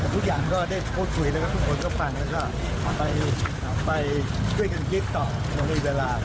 ทุกอย่างก็ได้พูดคุยกันกับทุกคนก็คงต้องนำการพูดคุยกันไปคิดต่อ